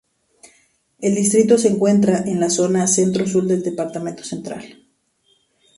El distrito se encuentra en la zona centro-sur del departamento Central.